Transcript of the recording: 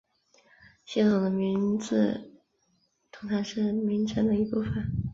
系统的名字通常是名称的一部分。